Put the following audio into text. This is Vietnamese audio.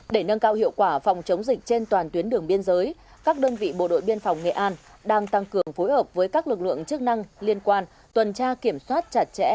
để nâng cao hiệu quả phòng chống dịch trên toàn tuyến đường biên giới các đơn vị bộ đội biên phòng nghệ an đang tăng cường phối hợp với các lực lượng chức năng liên quan tuần tra kiểm soát chặt chẽ